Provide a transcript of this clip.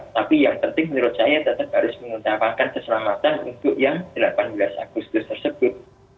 tapi yang penting menurut saya tetap harus mengutamakan keselamatan untuk yang delapan belas agustus tersebut